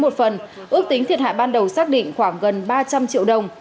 có tính thiệt hại ban đầu xác định khoảng gần ba trăm linh triệu đồng